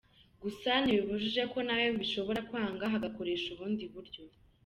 Gusa ntibibujije ko nawo bishobora kwanga hagakoresha ubundi buryo.